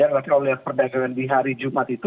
nanti kalau lihat perdagangan di hari jumat itu